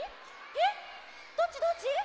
えっどっちどっち？